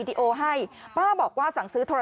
เจอเขาแล้ว